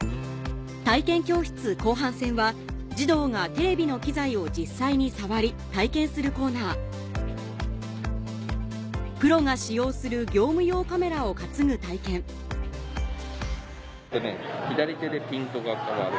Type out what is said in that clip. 体験教室後半戦は児童がテレビの機材を実際に触り体験するコーナープロが使用する業務用カメラを担ぐ体験左手でピントが変わる。